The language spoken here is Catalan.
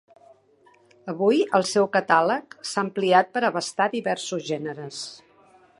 Avui, el seu catàleg s'ha ampliat per abastar diversos gèneres.